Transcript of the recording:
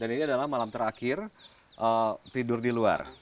dan ini adalah malam terakhir tidur di luar